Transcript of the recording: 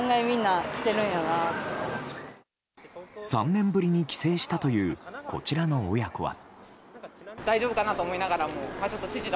３年ぶりに帰省したというこちらの親子は。